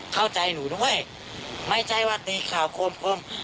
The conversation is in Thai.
เข้าใจหนูด้วยไม่ใช่ว่าตีข่าวโคม